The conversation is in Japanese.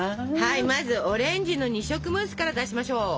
まずオレンジの二色ムースから出しましょう。